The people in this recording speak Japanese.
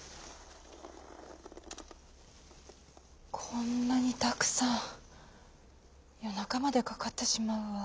「こんなにたくさんよなかまでかかってしまうわ」。